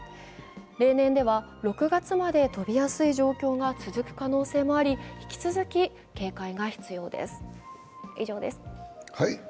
例年では６月まで飛びやすい状況が続く可能性もあり引き続き、警戒が必要です。